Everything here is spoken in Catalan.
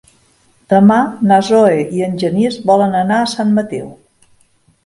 Demà na Zoè i en Genís volen anar a Sant Mateu.